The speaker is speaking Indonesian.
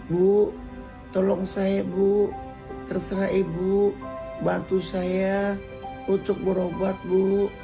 bu tolong saya bu terserah ibu bantu saya untuk berobat bu